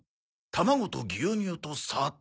卵と牛乳と砂糖。